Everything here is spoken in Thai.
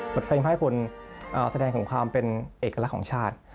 เพลงพระให้พลแสดงถึงความเป็นเอกลักษณ์ของชาติ